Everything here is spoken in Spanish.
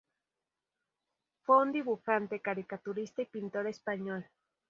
Fue un dibujante, caricaturista y pintor español.